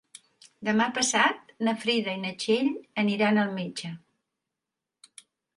Demà passat na Frida i na Txell aniran al metge.